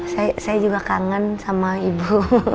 saya juga kangen sama ibu